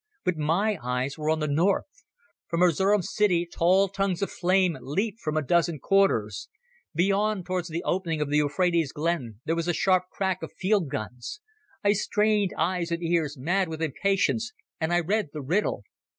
But my eyes were on the north. From Erzerum city tall tongues of flame leaped from a dozen quarters. Beyond, towards the opening of the Euphrates glen, there was the sharp crack of field guns. I strained eyes and ears, mad with impatience, and I read the riddle.